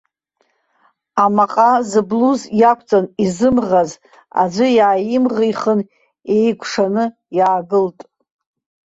Амаҟа зыблуз иақәҵан изымӷаз аӡәы иааимӷихын, еикәшаны иаагылт.